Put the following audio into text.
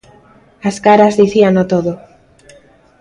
As caras dicíano todo.